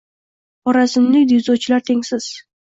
Xorazmlik dzyudochilar tengsiz